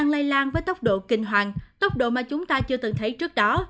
lây lan với tốc độ kinh hoàng tốc độ mà chúng ta chưa từng thấy trước đó